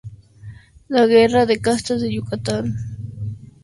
La Guerra de Castas de Yucatán ofreció la primera población hispanohablante en Belice.